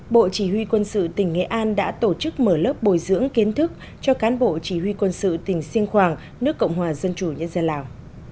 bộ chỉ huy quân sự tỉnh nghệ an đã tổ chức mở lớp bồi dưỡng kiến thức cho cán bộ chỉ huy quân sự tỉnh siêng khoảng nước cộng hòa dân chủ nhân dân lào